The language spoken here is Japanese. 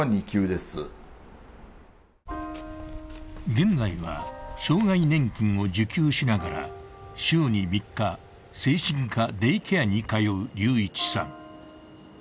現在は障害年金を受給しながら週に３日、精神科デイケアに通うりういちさん。